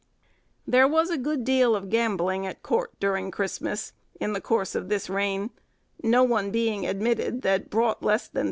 There was a good deal of gambling at court during Christmas, in the course of this reign, no one being admitted that brought less than £300.